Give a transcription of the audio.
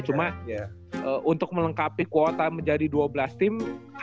cuma untuk melengkapi kuota menjadi dua belas tim